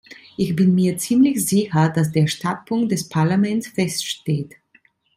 Ich bin mir ziemlich sicher, dass der Standpunkt des Parlaments feststeht.